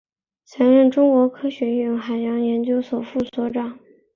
曾任中国科学院海洋研究所副所长。